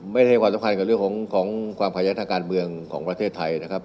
ให้ความสำคัญกับเรื่องของความขัดแย้งทางการเมืองของประเทศไทยนะครับ